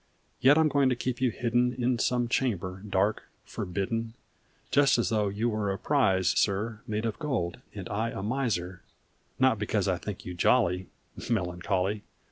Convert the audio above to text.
Yet I m going to keep you hidden In some chamber dark, forbidden, Just as though you were a prize, sir, Made of gold, and I a miser Not because I think you jolly, Melancholy